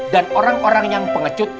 dan orang orang yang pengecut